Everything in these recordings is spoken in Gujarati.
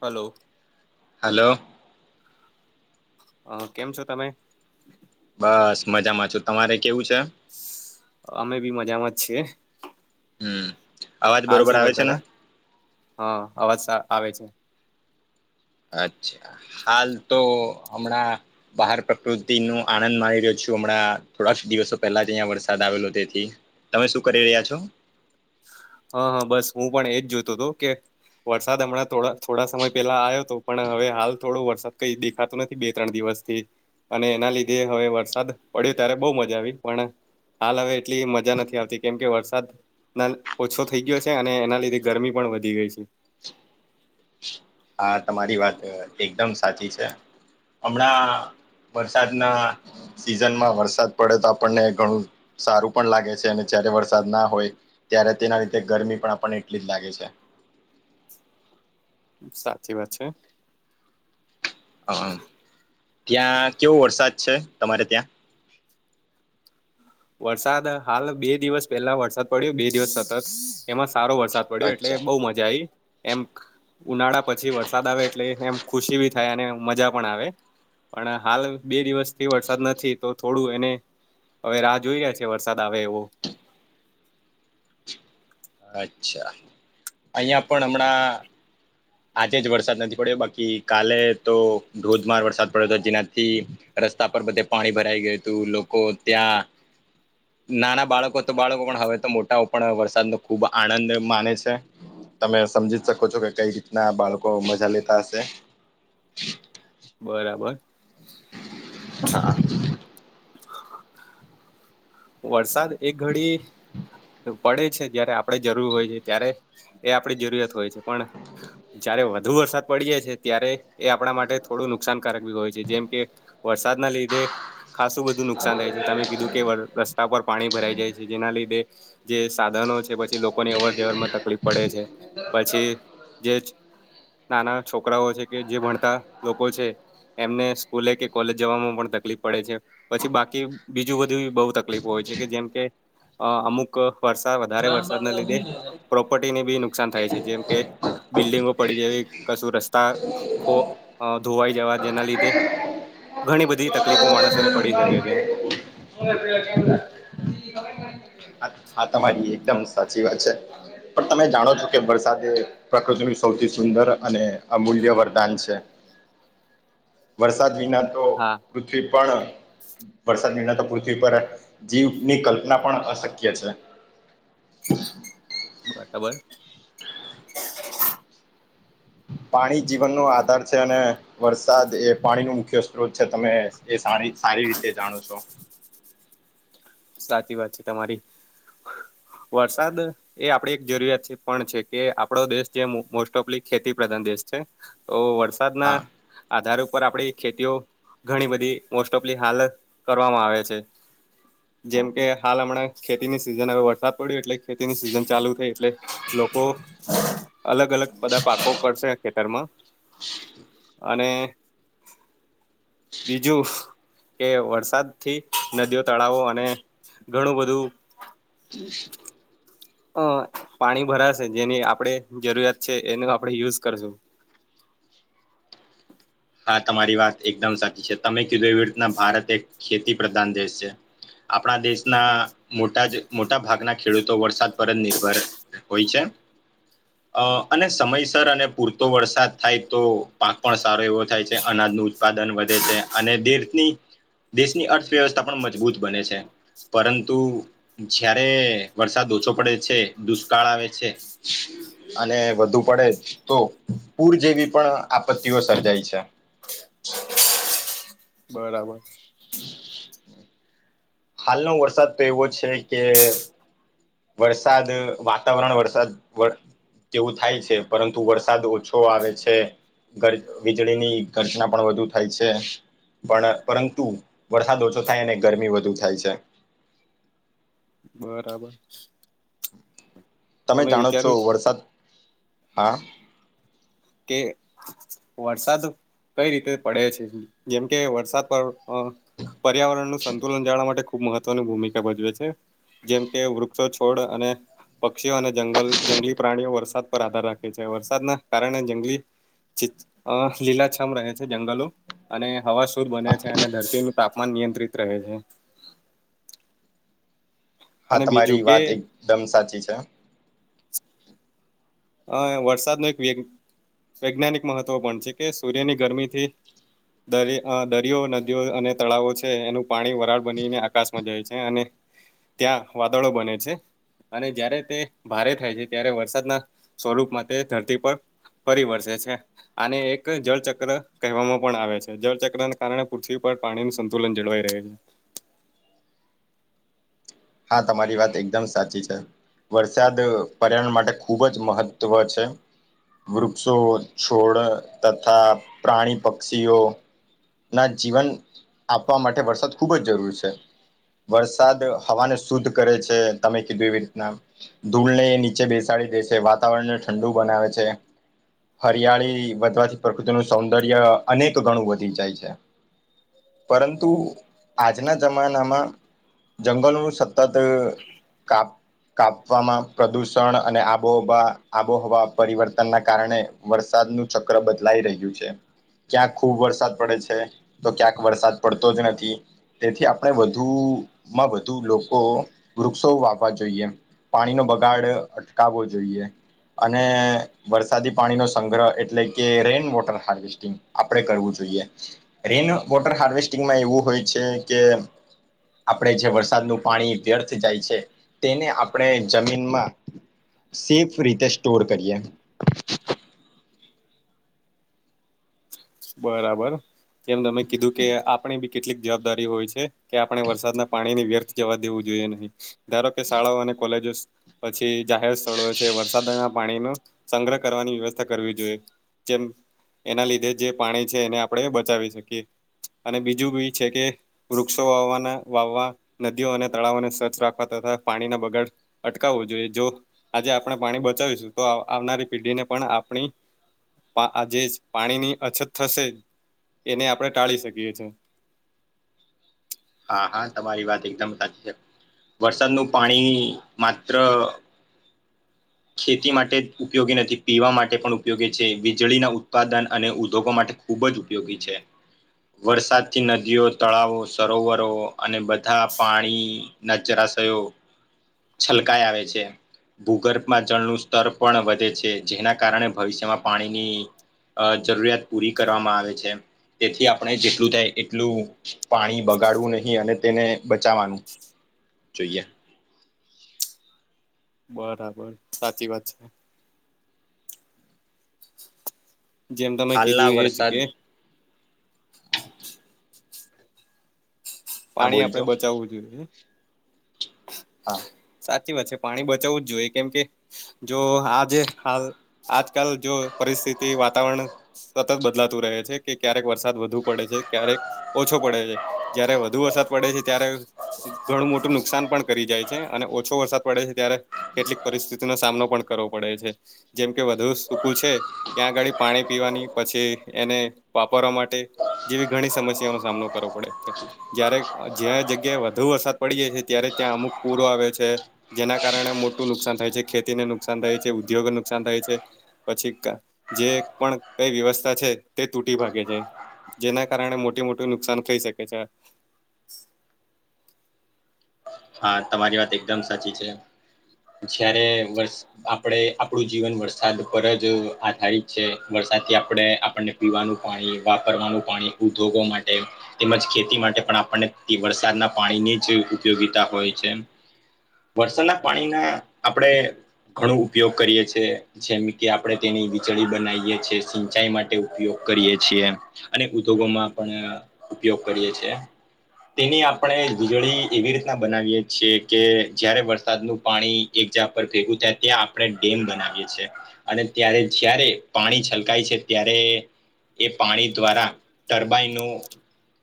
Hello hello. હા, કેમ છો તમે? બસ મજામાં છું. તમારે કેવું છે? અમે બી મજામાં જ છીએ. હમ્મ. હાલ શું કરતા તા. હા, અવાજ સા આવે છે. અચ્છા હાલ તો હમણાં બહાર પ્રકૃતિ નું આનંદ માણી રહ્યો છું હમણાં થોડાક દિવસો પહેલા અહીંયા વરસાદ આવેલો તેથી. તમે શું કરી રહ્યા છો? હા હા બસ હું પણ એજ જો તો તો કે વરસાદ હમણાં થોડા થોડા સમય પેલા આયો હતો પણ હવે હાલ થોડો વરસાદ કઈ દેખાતો નથી બે ત્રણ દિવસથી. અને એના લીધે હવે વરસાદ પડ્યો ત્યારે બહુ મજા આવી પણ હાલ હવે એટલી મજા નથી આવતી કેમ કે વરસાદ ના ઓછો થઈ ગયો છે અને એના લીધે ગરમી પણ વધી ગઈ છે. હા, તમારી વાત અહ એકદમ સાચી છે. હમણાં વરસાદના સીઝનમાં વરસાદ પડે તો આપણને ઘણું સારું પણ લાગે છે અને જ્યારે વરસાદ ના હોય ત્યારે તેના રીતે ગરમી પણ આપણને એટલી જ લાગે છે. સાચી વાત છે. હ ત્યાં કેવો વરસાદ છે તમારે ત્યાં? વરસાદ હાલ બે દિવસ પહેલા વરસાદ પડ્યો બે દિવસ સતત. એમાં સારો વરસાદ પડ્યો અચ્છા એટલે બહુ મજા આવી. એમ ઉનાળા પછી વરસાદ આવે એટલે એમ ખુશી ભી થાય અને મજા પણ આવે. પણ હાલ બે દિવસ થી વરસાદ નથી તો થોડું એને હવે રાહ જોઈ રહ્યા છે વરસાદ આવે એવો. અચ્છા, અહિયાં પણ હમણાં આજે જ વરસાદ નથી પડ્યો બાકી કાલે તો ધોધમાર વરસાદ પડ્યો હતો જેનાથી રસ્તા પર બધે પાણી ભરાઈ ગયું હતું લોકો ત્યાં નાના બાળકો તો બાળકો પણ હવે તો મોટાઓ પણ વરસાદનો ખુબ આનંદ માને છે. તમે સમજી શકો છો કે કઈ રીતના બાળકો મજા લેતા હશે. બરાબર. હા. વરસાદ એક ઘડી પડે છે જયારે આપણે જરૂર હોય છે ત્યારે, એ આપડી જરૂરિયાત હોય છે પણ જયારે વધુ વરસાદ પડી જાય છે ત્યારે એ આપણા માટે થોડું નુકસાનકારક બી હોય છે જેમ કે વરસાદ ના લીધે, ખાસું બધું નુકસાન થાય છે તમે કીધું કે રસ્તા પર પાણી ભરાઈ જાય છે જેના લીધે, જે સાધનો છે. પછી લોકોની અવર જવર માં તકલીફ પડે છે, પછી જે નાના છોકરાઓ છે કે જે ભણતા લોકો છે, એમને સ્કુલે કે કોલેજ જવાવામાં પણ તકલીફ પડે છે, પછી બાકી બીજું બધું બઉક તકલીફો હોય છે કે જેમ કે, અમુક વરસાદ વધારે વરસાદના લીધે. પ્રોપર્ટીને બી નુકસાન થાય છે જેમ કે બિલ્ડિંગો પડી જવી કશું રસ્તા ખો ધોવાઈ જવા જેના લીધે ઘણી બધી તકલીફો માણસોને પડી શકે છે. હા, તમારી એકદમ સાચી વાત છે. પણ તમે જાણો છો કે વરસાદ? પ્રકૃતિનું સૌથી સુંદર અને અમૂલ્ય વરદાન છે. હ [unintelligible] વરસાદ વિના તો હા. પૃથ્વી પર વરસાદ નિર્ણતા પૃથ્વી પર જીવની કલ્પના પણ અશક્ય છે. બરાબર. પાણી જીવનનો આધાર છે, અને વરસાદ એ પાણી નું મુખ્ય સ્ત્રોત છે. તમે એ સારી સારી રીતે જાણો છો? સાચી વાત છે તમારી, વરસાદ એ આપડી એક જરૂરિયાત પણ છે કે આપડો દેશ જે મોસ્ટ ઓફલી ખેતી પ્રધાન દેશ છે. તો વરસાદ ના હા આધાર ઉપર આપડી ખેતીઓ ઘણી બધી મોસ્ટ ઓફલી કરવામાં આવે છે. જેમ કે હાલ હમણાં ખેતીની સિઝન, હવે વરસાદ પડ્યો એટલે ખેતીની સિઝન ચાલુ થઈ એટલે લોકો અલગ અલગ બધા પાકો કરશે ખેતરમાં, અને બીજું કે, વરસાદથી નદીઓ, તળાવો. અને ઘણું બધું હ [unintelligible] અ પાણી ભરા, શે જેની આપણેે જરૂરત છે, એનો આપણે યુઝ કરશું. હા, તમારી વાત એકદમ સાચી છે. તમે કીધું એવી રીતના, ભારત એક ખેતી પ્રધાન દેશ છે. આપણા દેશના મોટા જ મોટા ભાગના ખેડૂતો વરસાદ પર જ નિર્ભર હોય છે. અ અને સમયસર અને પૂરતો વરસાદ થાય તો પાક પણ સારો એવો થાય છે, અનાજનું ઉત્પાદન વધે છે અને દીની દેશની અર્થવ્યવસ્થા પણ મજબૂત બને છે, પરંતુ જયારે વરસાદ ઓછો પડે છે, દુષ્કાળ આવે છે. અને વધુ પડે તો પૂર જેવી પણ આપત્તિઓ સર્જાય છે. બરાબર. હાલનો વરસાદ તો એવો છે કે વરસાદ વાતાવરણ, વરસાદ તેવું થાય છે, પરંતુ વરસાદ ઓછો આવે છે. વીજળી ની ગર્જના પણ વધુ થાય છે. પણ પરંતુ વરસાદ ઓછો થાય અને ગરમી વધુ થાય છે. બરાબર. તમે જાણો છો, વરસાદ હા? કે વરસાદ. કઈ રીતે પડે છે, જેમકે વરસાદ પર્યાવરણ નું સંતુલન જાળવા માટે ખૂબ મહત્વની ભૂમિકા ભજવે છે, જેમ કે વૃક્ષો, છોડ અને પક્ષીઓ અને જંગલ, જંગલી પ્રાણીઓ વરસાદ પર આધાર રાખે છે. વરસાદના કારણે લીલાછામ રહે છે જંગલો. અને હવા શુદ્ધ બને છે, અને ધરતીનું તાપમાન નિયંત્રિત રહે છે. હા, અને બીજું તમારી કે વાત એકદમ સાચી છે. અ વરસાદ ની એક વ વૈજ્ઞાનિક મહત્વ પણ છે કે, સૂર્યની ગરમીથી દ દરિયો, નદીઓ અને તળાવો છે, એનું પાણી વરાળ બનીને આકાશમાં જાય છે, અને ત્યાં વાદળો બને છે, અને જ્યારે તે ભારે થાય છે ત્યારે વરસાદના સ્વરૂપ માટે ધરતી પર ફિવર્સે છે. આને એક જળ ચક્ર કહેવામાં પણ આવે છે. જળ ચક્રને કારણે પૃથ્વી પર પાણી નું સંતુલન જળવાઈ રહે છે. હા, તમારી વાત એકદમ સાચી છે. વરસાદ પર્યાવરણ માટે ખૂબ જ મહત્વ છે. વૃક્ષો, છોડ તથા પ્રાણી, પક્ષીઓ. ના જીવન આપવા માટે વરસાદ ખુબ જ જરૂરી છે. વરસાદ હવાને શુદ્ધ કરે છે તમે કીધું એવી રીતના. ધૂળ ને એ નીચે બેસાડી દે છે, વાતાવરણને ઠંડુ બનાવે છે. હરિયાળી વધવાથી પ્રકૃતિનું સૌંદર્ય અનેક ગણું વધી જાય છે. પરંતુ આજના જમાનામાં જંગલોનું સતત કાપ. કાપવામાં પ્રદુષણ અને આબોહવા, આબોહવા પરિવર્તનના કારણે વરસાદ નું ચક્ર બદલાઈ રહ્યું છે, ક્યાં ખુબ વરસાદ પડે છે તો ક્યાંક વરસાદ પડતો જ નથી. તેથી આપણે વધુમાં વધુ લોકો વૃક્ષો વાવા જોઈએ. પાણી નો બગાડ અટકાવવો જોઈએ. અને વરસાદી પાણી નો સંગ્રહ એટલે કે રેઇન વોટર હાર્વે સ્ટિંગ આપડે કરવું જોઈએ. રેન વોટર હાર્વેસ્ટિંગમાં એવું હોય છે કે આપણે જે વરસાદનું પાણી વ્યર્થ જાય છે તેને આપણે જમીનમાં સેફ રીતે સ્ટોર કરીએ. બરાબર, કેમ તમે કીધું કે આપણે બી કેટલીક જવાબદારી હોય છે કે આપણે વરસાદના પાણી ની વ્યર્થ જવા દેવું જોઈએ નહીં. ધારો કે શાળાઓ અને કોલેજોસ પછી જાહેર સ્થળો છે, વરસાદમાં પાણીનો સંગ્રહ કરવાની વ્યવસ્થા કરવી જોઈએ. જેમ એના લીધે જે પાણી છે એને આપણે બચાવી શકીએ અને બીજું બી એ છે કે વૃક્ષો વાવવાના વાવવા, નદીઓ અને તળાવોને સ્વચ્છ રાખવા તથા પાણીના બગાડ અટકાવવું જોઈએ. જો આજે આપણે પાણી બચાવીશું તો આવનારી પેઢીને પણ આપણી આ જે પાણીની અછત થશે એને આપણે ટાળી શકીએ છેએ. હા હા તમારી વાત એકદમ સાચી છે વરસાદનું પાણી માત્ર ખેતી માટે જ ઉપયોગી નથી, પીવા માટે પણ ઉપયોગી છે, વીજળીના ઉત્પાદન અને ઉદ્યોગો માટે ખૂબ જ ઉપયોગી છે. વરસાદથી નદીઓ, તળાવો, સરોવરો અને બધા પાણી ના જરાશયો છલકાય આવે છે ભૂગર્ભ માં જળનું સ્તર પણ વધે છે, જેના કારણે ભવિષ્યમાં પાણીની અ જરૂરિયાત પૂરી કરવામાં આવે છે. તેથી આપણે જેટલું થાય એટલું પાણી બગાડવું નહી અને તેને બચાવવાનું જોઈએ. બરાબર, સાચી વાત છે. જેમ તમે હાલના કીધું એ જ વરસાદ કે હા પાણી આપડે બોલજો બચાવવું જોઈએ. હા. સાચી વાત છે, પાણી બચાવવું જ જોઈએ કેમ કે જો આજે હાલ આજકાલ જો પરિસ્થિતિ વાતાવરણ સતત બદલાતું રહે છે કે ક્યારેક વરસાદ વધુ પડે છે ક્યારેક ઓછો પડે છે. જયારે વધુ વરસાદ પડે છે, ત્યારે ઘણું મોટું નુકસાન પણ કરી જાય છે. અને ઓછો વરસાદ પડે છે ત્યારે કેટલીક પરિસ્થિતિનો સામનો પણ કરવો પડે છે. જેમ કે વધુ સૂકું છે. ત્યાં આગાળ પાણી પીવાની પછી એને વાપરવા માટે જેવી ઘણી સમસ્યા નો સામનો કરવો પડે છે. જયારે જ્યાં જગ્યાએ વધુ વરસાદ પડી જાય છે ત્યારે ત્યાં અમુક પૂરો આવે છે. જેના કારણે મોટું નુકસાન થાય છે ખેતીને નુકસાન થાય છે, ઉદ્યોગને નુકસાન થાય છે. પછી જે પણ કઈ વ્યવસ્થા છે તે તૂટી ભાગે છે. જેના કારણે મોટી મોટી નુકસાન થઈ શકે છે. હા, તમારી વાત એકદમ સાચી છે. જ્યારે બસ આપડે આપણું જીવન વરસાદ પર જ આધારિત છે વરસાદ થી આપડે આપણને પીવાનું પાણી વાપરવાનું પાણી ઉદ્યોગો માટે તેમજ ખેતી માટે પણ આપણને વરસાદના પાણીની જ ઉપયોગીતા હોય છે. વરસાદના પાણીના આપડે ઘણો ઉપયોગ કરીએ છેએ જેમ કે આપડે તેની વિચળી બનાવીએ છીએ સિંચાઈ માટે ઉપયોગ કરીએ છીએ અને ઉદ્યોગો માં પણ ઉપયોગ કરીએ છે. તેની આપણે વીજળી એવી રી તા બનાવીએ છી કે જયારે વરસાદનું પાણી એક જ પર ભેગું થાય ત્યાં આપડે ડેમ બનાવીએ છ છેએ અને ત્યારે જ્યારે પાણી છલકાય છે ત્યારે એ પાણી દ્વારા ટરબાઈન નું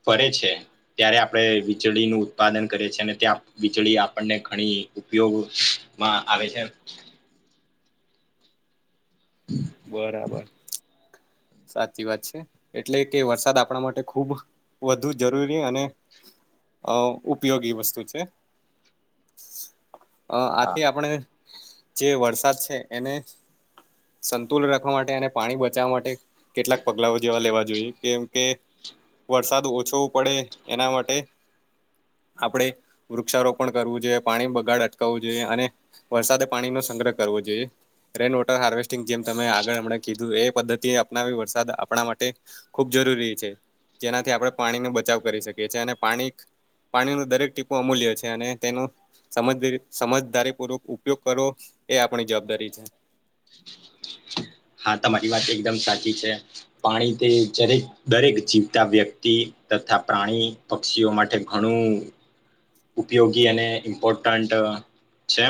ફરે છે ત્યારે આપડે વીજળી નું ઉત્પાદન કરે છે ને ત્યાં વીજળી આપણને ઘણી ઉપયોગ માં આવે છે. બરાબર, સાચી વાત છે. એટલે કે વરસાદ આપડા માટે ખુબ વધુ જરૂરી અને અહ ઉપયોગી વસ્તુ છે. અહ હા આથી આપણે જે વરસાદ છે એને સંતુલ રાખવા માટે અને પાણી બચાવવા માટે કેટલાક પગલાઓ જેવા લેવા જોઈએ કેમ કે વરસાદ ઓછો પડે એના માટે આપડે વૃક્ષારોપણ કરવું જોઈએ પાણી બગાડ અટકાવવું જોઈએ અને વરસાદ પાણી નો સંગ્રહ કરવો જોઈએ. રેઇન વોટર હાર્વેસ્ટ જેમ તમે આગળ હમણાં કીધું એ પદ્ધતિ અપનાવી વરસાદ આપણા માટે ખૂબ જરૂરી છે. જેનાથી આપડે પાણીનો બચાવ કરી શકીએ છીએ અને પાણી એક પાણી નું દરેક ટીપો અમૂલ્ય છે અને તેનું સમજ બી સમજદારી પૂર્વક ઉપયોગ કરો એ આપણી જવાબદારી છે. હા, તમારી વાત એકદમ સાચી છે. પાણી તે જરેક દરેક જીવતા વ્યક્તિ તથા પ્રાણી પક્ષીઓ માટે ઘણું ઉપયોગી અને ઇમ્પોર્ટન્ટ અહ છે.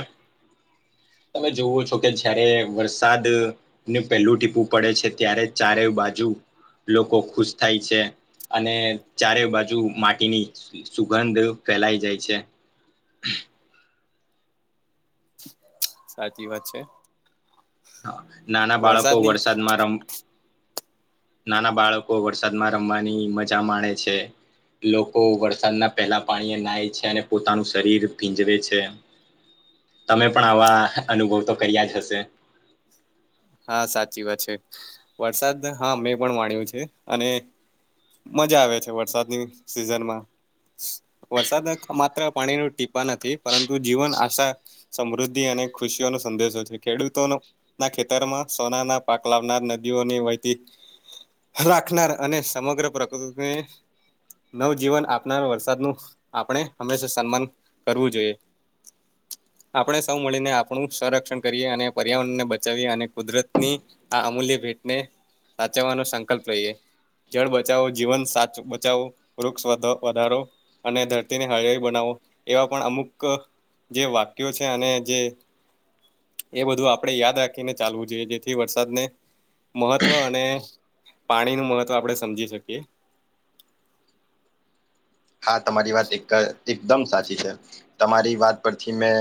તમે જોવો છો કે જયારે વરસાદ ને પહેલું ટીપૂ પડે છે ત્યારે ચારેય બાજુ લોકો ખુશ થાય છે અને ચારે બાજુ માટીની સુગંધ ફેલાય જાય છે. સાચી વાત છે. હા, નાના બાળકો વરસાદની વરસાદમાં રમ નાના બાળકો વરસાદમાં રમવાની મજા માણે છે. લોકો વરસાદ ના પહેલા પાણી એ નાય છે અને પોતાનું શરીર ભીજવે છે. તમે પણ આવા અનુભવ તો કર્યા જ હશે. હા, સાચી વાત છે. વરસાદ હા મેં પણ વાણ્યું છે. અને મજા આવે છે વરસાદની સિઝનમાં. સી સી વરસાદ માત્ર પાણી નુ ટીપા નથી પરંતુ જીવન આશા સમૃદ્ધિ અને ખુશીઓ નો સંદેશો છે ખેડૂતો ના ખે તરમાં સોનાના પાક લાવનાર નદીઓની વહેતી રાખનાર અને સમગ્ર પ્રકૃતને નવજીવન આપનાર વરસાદ નું આપણે હંમેશા સન્માન કરવું જોઈએ. આપણે સૌ મળીને આપણું સંરક્ષણ કરીએ અને પર્યાવરણ ને બચાવીએ અને કુદરતની આ અમૂલ્ય ભેટને સાચવવાનો સંકલ્પ લહીએ. જળ બચાવો જીવન સાચ બચાવો, વૃક્ષ વધારો. અને ધરતીને હળીયાળી બનાવો એવા પણ અમુક જે વાક્યો છે અને જે એ બધું આપડે યાદ રાખીને ચાલવું જોઈએ જેથી વરસાદને મહત્વ અને પાણી નું મહત્વ આપડે સમજી શકીએ. હા, તમારી વાત એકા તી એકદમ સાચી છે, તમારી વાત પરથી મેં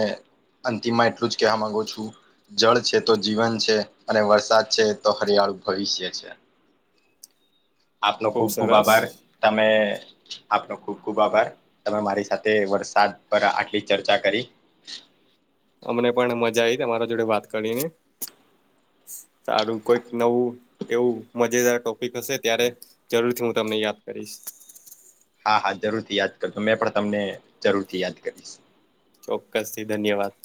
અંતિમમાં એટલું જ કહેવા માગું છું. જળ છે તો જીવન છે અને વરસાદ છે તો હરિયાળુ ભવિષ્ય છે. આપનો ખુબ ખુબ આભાર તમે આપનો ખુબ ખુબ આભાર. તમે મારી સાથે વરસાદ પર આટલી ચર્ચા કરી. અમને પણ મજા આવી તમારા જોડે વાત કરીને. સારું કોઈક નવું એવું મજેદાર ટોપિક હશે ત્યારે જરૂરથી હું તમને યાદ કરીશ. હા હા જરૂરથી યાદ કરજો મેં પણ તમને જરૂરથી યાદ કરીશ. ચોક્કસથી ધન્યવાદ.